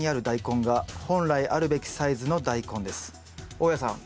大家さん